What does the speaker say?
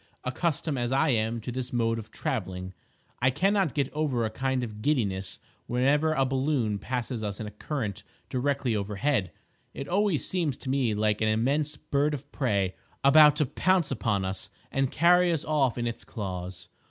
Accustomed as I am to this mode of travelling, I cannot get over a kind of giddiness whenever a balloon passes us in a current directly overhead. It always seems to me like an immense bird of prey about to pounce upon us and carry us off in its claws.